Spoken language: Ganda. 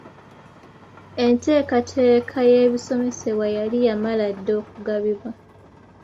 Enteekateeka y’ebisomesebwa yali yamala dda okubagibwa.